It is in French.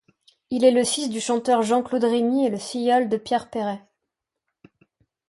Il est le fils du chanteur Jean-Claude Rémy et le filleul de Pierre Perret.